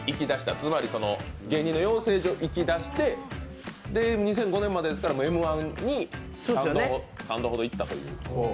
つまり芸人の養成所行きだして、２００５年までですからＭー１に３度ほど行ったと。